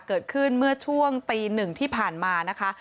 เกิดขึ้นเมื่อช่วงตีหนึ่งที่ผ่านมานะคะ